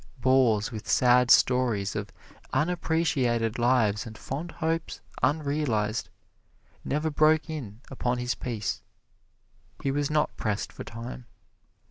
Bores with sad stories of unappreciated lives and fond hopes unrealized, never broke in upon his peace. He was not pressed for time.